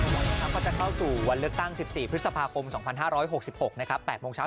วันนี้ก็จะเข้าสู่วันเลือกตั้ง๑๔พฤษภาคม๒๕๖๖นะครับ๘โมงเช้า